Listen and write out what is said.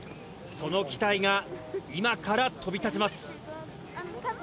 その機体が今から飛び立ちます。